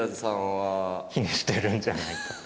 気にしてるんじゃないか。